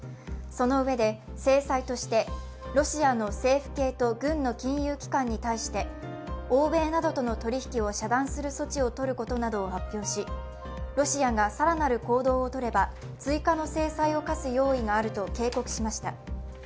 そのうえで、制裁としてロシアの政府系と軍の金融機関に対して欧米などとの取り引きを遮断する措置をとることなどを発表しロシアが更なる行動をとれば追加の制裁を科す用意があると警告しました。